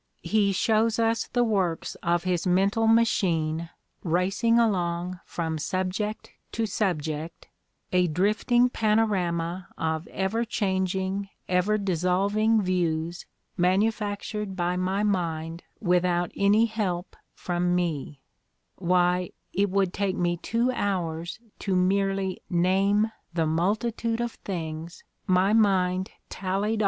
He shows us the works of his mental machine "racing along from subject to subject — a drifting panorama of ever changing, ever dissolving views manufactured by my mind without any help from me — why, it would take me tw6 hours to merely name the multitude of things my mind tallied